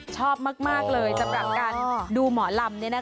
ชอบมากชอบมากเลยสำหรับการดูหมอรำเนี่ยนะคะ